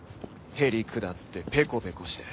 へりくだってペコペコして。